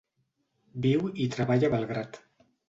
Viu i treballa a Belgrad.